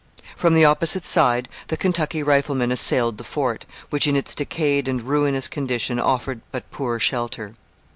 From the opposite side the Kentucky rifle men assailed the fort, which, in its decayed and ruinous condition, offered but poor shelter.